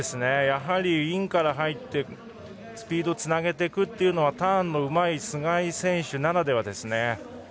やはりインから入ってスピードをつなげていくのはターンのうまい須貝選手ならではですね。